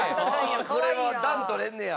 これは暖取れんねや。